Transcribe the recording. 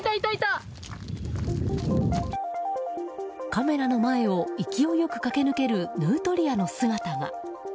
カメラの前を勢いよく駆け抜けるヌートリアの姿が。